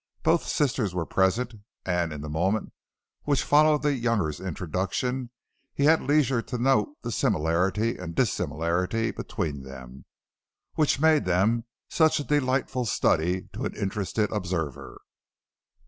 Both sisters were present, and in the moment which followed the younger's introduction, he had leisure to note the similarity and dissimilarity between them, which made them such a delightful study to an interested observer.